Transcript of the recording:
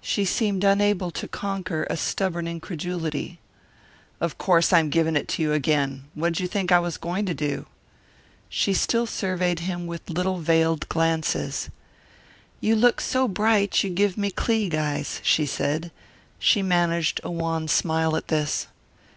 She seemed unable to conquer a stubborn incredulity. "Of course I'm giving it to you again. What'd you think I was going to do?" She still surveyed him with little veiled glances. "You look so bright you give me Kleig eyes," she said. She managed a wan smile at this.